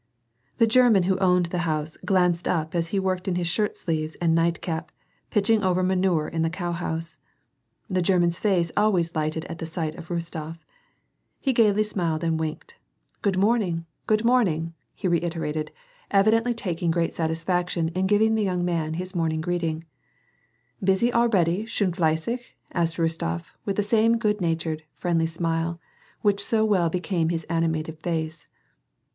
The German who owned the house, glanced up as he worked in his shirt sleeves and nightcap, pitching over manure in the cowhouse. The German's face always lighted at the sight of Rostof. He gayly smiled and winked :" Good morning, good * KhokMf literally Topknot, a nickname of the Malo Bossian^* 150 ^VAR AND PEACE, morning!"* he reiterated, evidently tsiking great satisfaction in giving the young man his morning greeting. " Busy already, schon flelssig ?" asked Rostof, with the same good natured, friendly smile, which so well became his ani mated face.